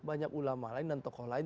banyak ulama lain dan tokoh lain